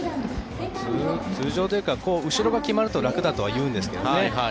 通常というか後ろが決まると楽だとは言いますがね